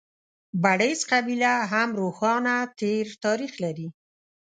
بړېڅ قبیله هم روښانه تېر تاریخ لري.